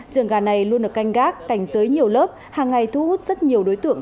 trường gà này luôn được canh gác cảnh giới nhiều lớp hàng ngày thu hút rất nhiều đối tượng